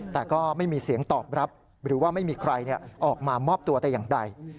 แต่ก็ไม่มีเสียงตอบรับหรือว่าไม่มีใครออกมามอบตัวแต่อย่างใด